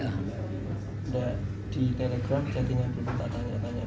udah di telegram jadinya belum tanya tanya